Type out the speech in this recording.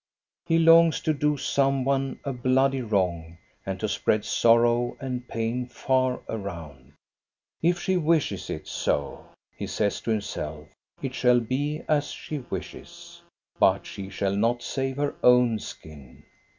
He longs to do some one a bloody wrong and to spread sorrow and pain far around. If she wishes it so, he says to himself, it shall be as she wishes. But she shall not save her own skin.